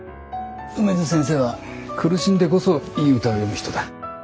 梅津先生は苦しんでこそいい歌を詠む人だ。